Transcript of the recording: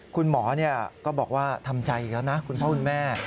คุณหมอก็บอกว่าทำใจอีกแล้วนะคุณพ่อคุณแม่